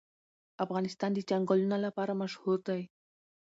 افغانستان د چنګلونه لپاره مشهور دی.